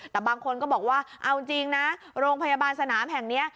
แต่บางคนก็บอกว่าเอาจริงนะโรงพยาบาลสนามแห่งนี้